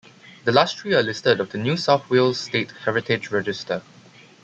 The last three are listed on the New South Wales state heritage register.